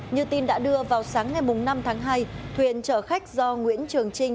như tin đã đưa vào sáng ngày năm tháng hai thuyền chở khách do nguyễn trường trinh